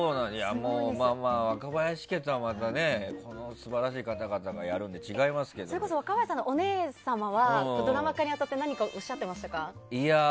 若林家とはまたこの素晴らしい方々がやるのでそれこそ若林さんのお姉さまはドラマ化に当たって何かおっしゃってましたか？